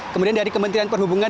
kemudian dari kementerian perhubungan